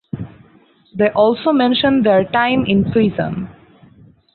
They also mention their time in prison.